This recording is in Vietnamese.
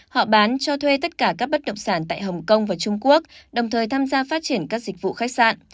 họ bán cho thuê tất cả các bất động sản tại hồng kông và trung quốc đồng thời tham gia phát triển các dịch vụ khách sạn